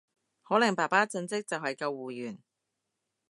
可能爸爸正職就係救護員